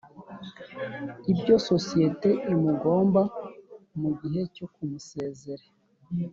Ibyo isosiyete imugomba mu gihe cyo kumusezere